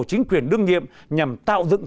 chính quyền đương nhiệm nhằm tạo dựng